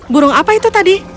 burung apa itu tadi